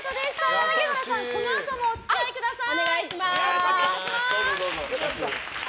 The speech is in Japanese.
柳原さん、このあともお付き合いください。